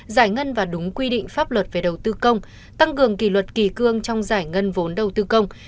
giải ngân và đúng quy định pháp luật về đầu tư công tăng cường kỳ luật kỳ cương trong giải ngân vốn đầu tư công